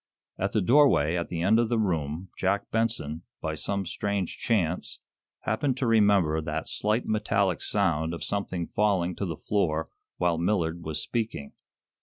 At the doorway at the end of the room Jack Benson, by some strange chance, happened to remember that slight metallic sound of something falling to the floor while Millard was speaking.